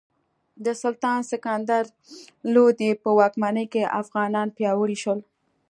د سلطان سکندر لودي په واکمنۍ کې افغانان پیاوړي شول.